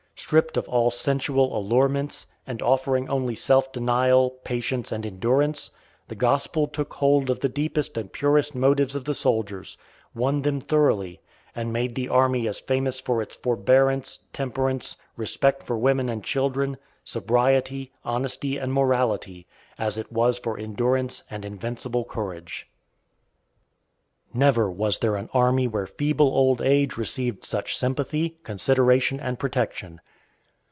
Stripped of all sensual allurements, and offering only self denial, patience, and endurance, the Gospel took hold of the deepest and purest motives of the soldiers, won them thoroughly, and made the army as famous for its forbearance, temperance, respect for women and children, sobriety, honesty, and morality as it was for endurance and invincible courage. Never was there an army where feeble old age received such sympathy, consideration, and protection.